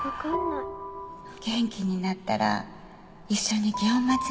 元気になったら一緒に祇園祭行こう